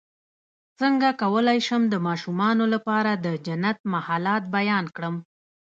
څنګه کولی شم د ماشومانو لپاره د جنت محلات بیان کړم